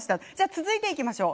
続いて、いきましょう。